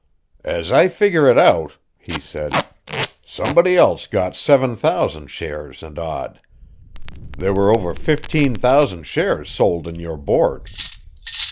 "As I figure it out," he said, "somebody else got seven thousand shares and odd. There were over fifteen thousand shares sold in your Board."